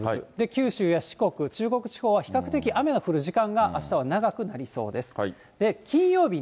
九州や四国、中国地方は、比較的、雨の降る時間があしたは長くなりそうです。